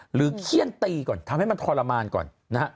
หรือเครียนตีก่อนทำให้มันทรมานก่อน